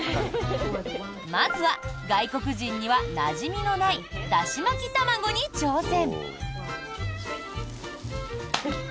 まずは外国人にはなじみのないだし巻き卵に挑戦。